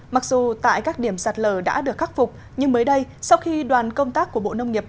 mặc dù tại các điểm sạt lở đã được khắc phục nhưng mới đây sau khi đoàn công tác của bộ nông nghiệp